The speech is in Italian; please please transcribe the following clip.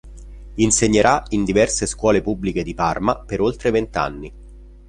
Insegnerà in diverse scuole pubbliche di Parma per oltre vent'anni.